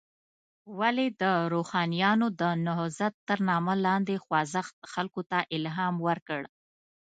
ولې د روښانیانو د نهضت تر نامه لاندې خوځښت خلکو ته الهام ورکړ.